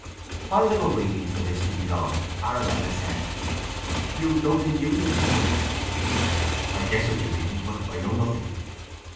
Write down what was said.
While they were waiting for this to be done Arabella said: "You know the news, I suppose?" "I guess what you mean; but I know nothing."